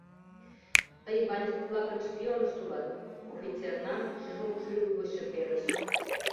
— Тый бандит-влакын шпионышт улат! — офицер Нан Чжум шӱргӧ гычше перыш.